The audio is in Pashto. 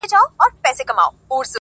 انسان انسان دی انسان څۀ ته وایي ،